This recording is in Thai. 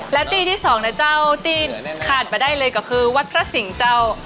และตีนที่สองนะเจ้าตีนขาดมาได้เลยก็คือวัดพระสิงห์เจ้า